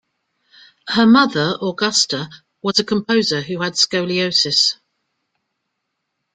Her mother, Augusta, was a composer who had scoliosis.